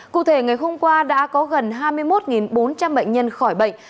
cụ thể ngày hôm qua đã có gần hai mươi một bốn trăm linh bệnh nhân khỏi bệnh